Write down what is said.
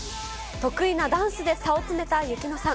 得意なダンスで差を詰めたユキノさん。